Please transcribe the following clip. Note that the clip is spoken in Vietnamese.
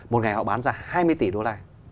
một ngày họ bán ra hai mươi tỷ đô la